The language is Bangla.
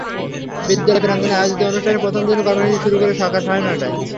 বিদ্যালয় প্রাঙ্গণে আয়োজিত অনুষ্ঠানে প্রথম দিনের কর্মসূচি শুরু হবে সকাল সাড়ে নয়টায়।